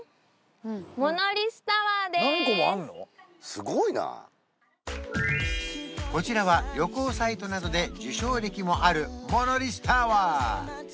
すごいなこちらは旅行サイトなどで受賞歴もあるモノリスタワー